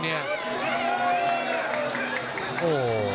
โห